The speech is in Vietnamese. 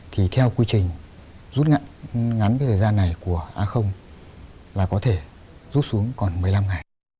thì theo quy trình rút ngắn thời gian này của a là có thể rút xuống còn một mươi năm ngày